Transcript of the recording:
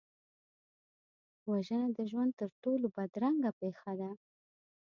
وژنه د ژوند تر ټولو بدرنګه پېښه ده